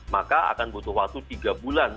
maka akan butuh waktu tiga bulan